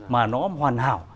mà nó hoàn hảo